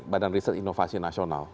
badan riset inovasi nasional